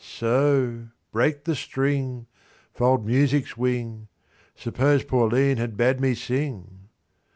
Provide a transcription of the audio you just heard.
So! Break the string; fold music's wing: Suppose Pauline had bade me sing!